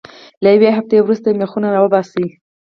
له یوې هفتې وروسته میخونه را وباسئ.